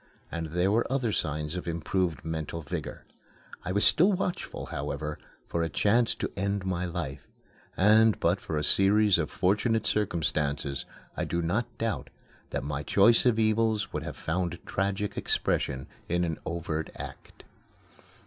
And there were other signs of improved mental vigor. I was still watchful, however, for a chance to end my life, and, but for a series of fortunate circumstances, I do not doubt that my choice of evils would have found tragic expression in an overt act.